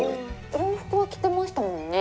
洋服は着てましたもんね。